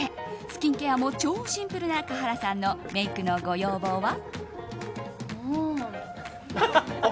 スキンケアも超シンプルな華原さんのメイクのご要望は？